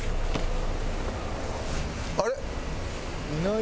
あれ？